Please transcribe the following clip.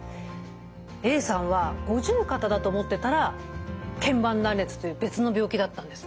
Ａさんは五十肩だと思ってたらけん板断裂という別の病気だったんですね。